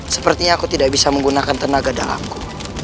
sepertinya aku tidak bisa menggunakan tenaga dahku